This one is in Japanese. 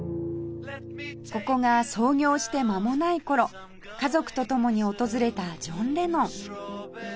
ここが創業して間もない頃家族とともに訪れたジョン・レノン